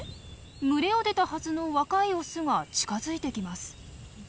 群れを出たはずの若いオスが近づいてきます。